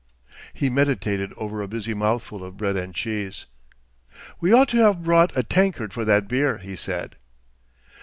He meditated over a busy mouthful of bread and cheese. 'We ought to have brought a tankard for that beer,' he said.